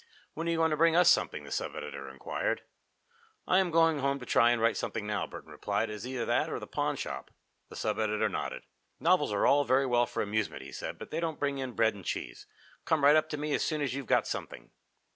"When are you going to bring us something?" the sub editor inquired. "I am going home to try and write something now," Burton replied. "It is either that or the pawnshop." The sub editor nodded. "Novels are all very well for amusement," he said, "but they don't bring in bread and cheese. Come right up to me as soon as you've got something."